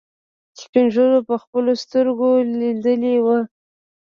سپينږيرو په خپلو سترګو ليدلي وو.